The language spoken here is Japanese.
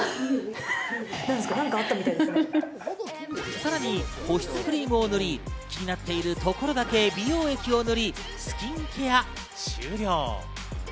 さらに保湿クリームを塗り、気になっているところだけ美容液を取り、スキンケア終了。